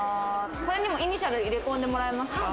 これにもイニシャル、入れ込んでもらえますか？